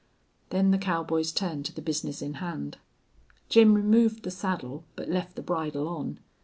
Then the cowboys turned to the business in hand. Jim removed the saddle, but left the bridle on.